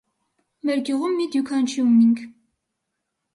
Մեր գյուղում մի դյուքանչի ունինք: